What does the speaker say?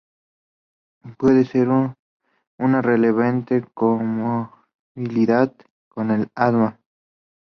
Puede ser una relevante comorbilidad con el asma.